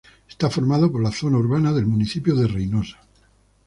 Está formado por la zona urbana del municipio de Reynosa